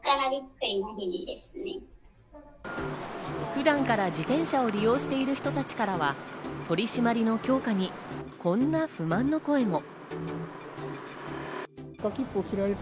普段から自転車を利用している人たちからは取り締まりの強化にこんな不満の声も。